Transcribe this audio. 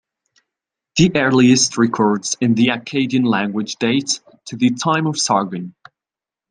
The earliest records in the Akkadian language date to the time of Sargon.